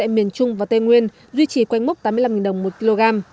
miền trung và tây nguyên duy trì quanh mốc tám mươi năm đồng một kg